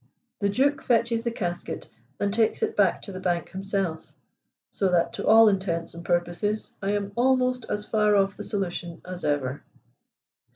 The Duke fetches the casket and takes it back to the bank himself, so that to all intents and purposes I am almost as far off the solution as ever."